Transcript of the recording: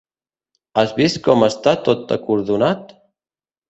Has vist com està tot acordonat?